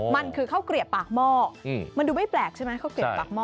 มันคือข้าวเกลียบปากหม้อมันดูไม่แปลกใช่ไหมข้าวเกลียบปากหม้อ